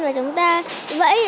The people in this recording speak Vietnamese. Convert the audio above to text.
và chúng ta vẫy